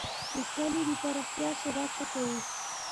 د کلي د پراختیا شورا څه کوي؟